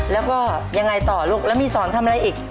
แล้วก็ยังไงต่อลูกแล้วมีสอนทำอะไรอีก